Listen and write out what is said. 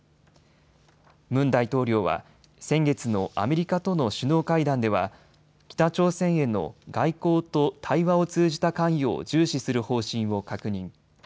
ムン大統領は先月のアメリカとの首脳会談では北朝鮮への外交と対話を通じた関与を重視する方針を確認。